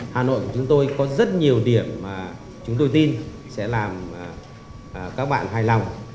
hà nội của chúng tôi có rất nhiều điểm mà chúng tôi tin sẽ làm các bạn hài lòng